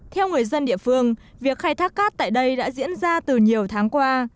theo người dân địa phương việc khai thác cát tại đây đã diễn ra từ nhiều tháng qua